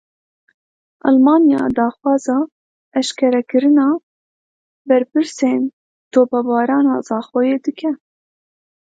Almanya daxwaza eşkerekirina berpirsên topbarana Zaxoyê dike.